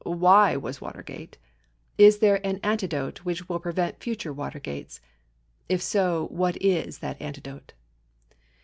Why was Watergate? Is there an antidote which will prevent future Watergates? If so, what is that antidote?